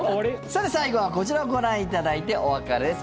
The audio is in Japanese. さて、最後はこちらをご覧いただいてお別れです。